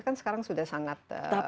kan sekarang sudah sangat